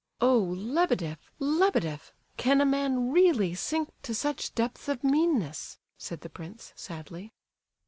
"Oh, Lebedeff, Lebedeff! Can a man really sink to such depths of meanness?" said the prince, sadly.